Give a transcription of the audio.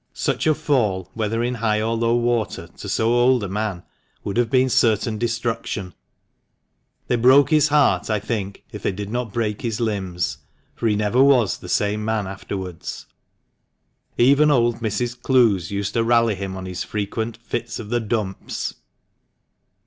Such a fall, whether in high or low water, to so old a man, would have been certain destruction. They broke his heart, I think, if they did not break his limbs, for he never was the same man afterwards. Even old Mrs. Clowes used to rally him on his frequent "fits of the dumps."